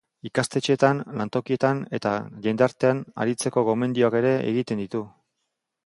Ikastetxeetan, lantokietan eta jendartean aritzeko gomendioak ere egiten ditu.